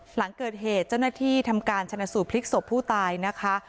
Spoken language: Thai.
หลังเกิดเหตุเจ้าหน้าที่ทำการชนะสูตรพลิกศพผู้ตายนะคะ